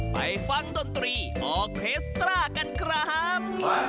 ไปฟังดนตรีออเคสตรากันครับ